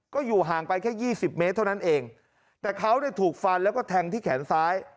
ก็อยู่ห่างไปแค่ยี่สิบเมตรเท่านั้นเองแต่เขาเนี่ยถูกฟันแล้วก็แทงที่แขนซ้าย